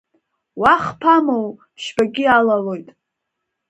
Уа хԥамоу ԥшьбагьы алалоит.